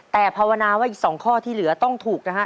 แต่ภาวนาว่าอีก๒ข้อที่เหลือต้องถูกนะฮะ